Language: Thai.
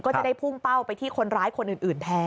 ก็จะได้พุ่งเป้าไปที่คนร้ายคนอื่นแทน